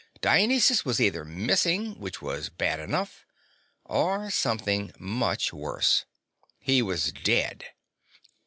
Dionysus was either missing, which was bad enough, or something much worse. He was dead.